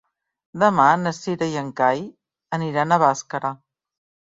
Demà na Cira i en Cai aniran a Bàscara.